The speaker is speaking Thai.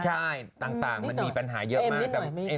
ใช่ต่างมันมีปัญหาเยอะมาก